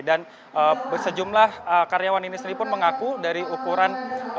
dan sejumlah karyawan ini sendiri pun mengaku dari ukuran